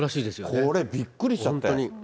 これ、びっくりしちゃって。